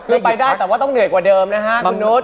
คือไปได้แต่ว่าต้องเหนื่อยกว่าเดิมนะฮะคุณนุษย